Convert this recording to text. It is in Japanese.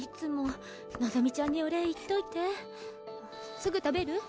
すぐ食べる？